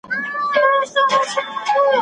راشید خان يو ستوری لوبغاړی دی